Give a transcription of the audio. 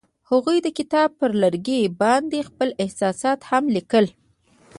هغوی د کتاب پر لرګي باندې خپل احساسات هم لیکل.